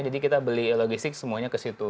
jadi kita beli eulogistik semuanya kesitu